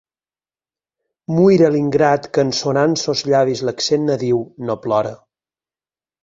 Muira l'ingrat que, en sonar en sos llavis l'accent nadiu, no plora.